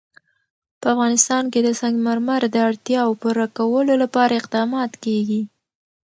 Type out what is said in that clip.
په افغانستان کې د سنگ مرمر د اړتیاوو پوره کولو لپاره اقدامات کېږي.